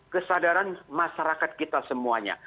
kesadaran masyarakat kita semuanya